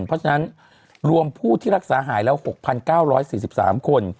เพราะฉะนั้นรวมผู้ที่รักษาหายแล้ว๖๙๔๓คน